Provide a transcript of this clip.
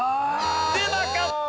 出なかった。